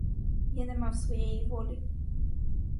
Я не мав своєї волі.